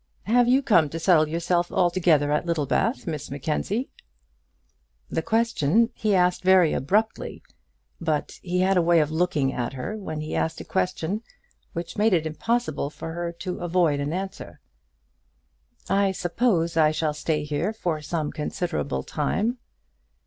Have you come to settle yourself altogether at Littlebath, Miss Mackenzie?" This question he asked very abruptly, but he had a way of looking at her when he asked a question, which made it impossible for her to avoid an answer. "I suppose I shall stay here for some considerable time."